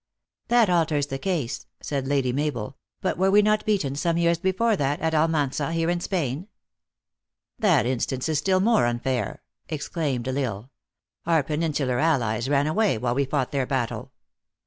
"That alters the case," said Lady Mabel; "but were we not beaten some years before that, at Al rnansa, here in Spain ?" "That instance is still more unfair," exclaimed L Isle. " Our Peninsular allies ran away, while we fought their battle.